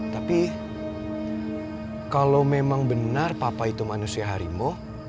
tapi kalau memang benar papa itu manusia harimau